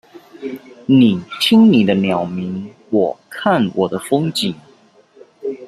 你聽你的鳥鳴，我看我的風景